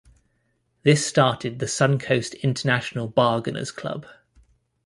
This started the Suncoast International Bargainers Club.